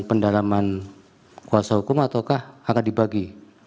pendalaman kuasa hukum ataukah akan dibagi